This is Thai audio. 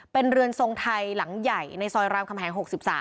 เป็นเรือนทรงไทยหลังใหญ่ในซอยรามคำแหง๖๓